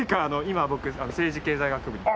今僕政治経済学部に。